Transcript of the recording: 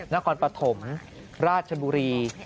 นครปฐมราชบุรี